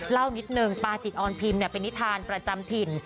เล่านิดนึงปาจิตออนพิมพ์เป็นนิทานประจำถิ่น